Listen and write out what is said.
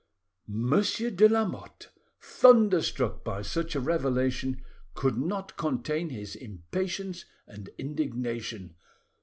Monsieur de Lamotte, thunderstruck by such a revelation, could not contain his impatience and indignation.